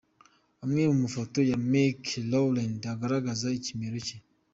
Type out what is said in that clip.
Amwe mu mafoto ya Meek Rowland agaragaza ikimero cye.